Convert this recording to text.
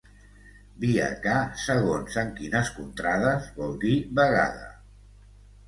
Via que, segons en quines contrades, vol dir vegada.